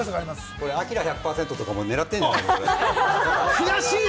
これ、アキラ１００％も狙っているんじゃない？